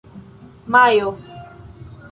majo